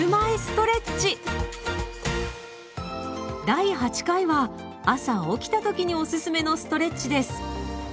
第８回は朝起きた時におすすめのストレッチです。